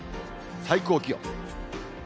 最高気温。